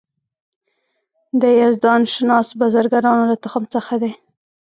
د یزدان شناس بزرګانو له تخم څخه دی.